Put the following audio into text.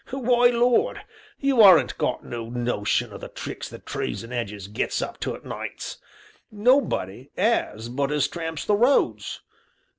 Why, Lord! you aren't got no notion o' the tricks the trees and 'edges gets up to a' nights nobody 'as but us as tramps the roads.